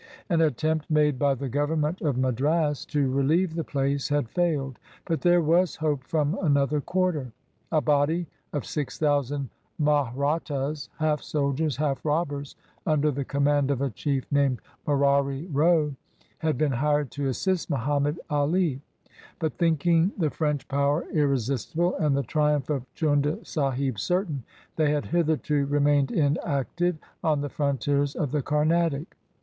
An attempt made by the Government of Madras to relieve the place had failed. But there was hope from another quarter. A body of six thousand Mahrattas, half soldiers, half robbers, under the command of a chief named Morari Row, had been hired to assist Mahommed AH ; but thinking the French power irresistible, and the triumph of Chunda Sahib certain, they had hitherto re mained inactive on the frontiers of the Carnatic.